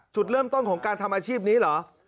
จุดเริ่มต้นของการทำอาชีพนี้เหรอ